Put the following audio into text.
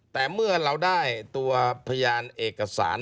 แต่เมื่อเราได้ตัวพยานเอกสาร